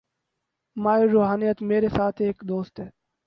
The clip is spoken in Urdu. ماہر روحانیات: میرے ساتھ ایک دوست ہیں۔